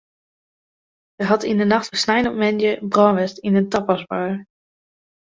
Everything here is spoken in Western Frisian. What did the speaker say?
Der hat yn de nacht fan snein op moandei brân west yn in tapasbar.